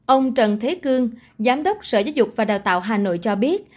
ông trần thế cương giám đốc sở giáo dục và đào tạo hà nội cho biết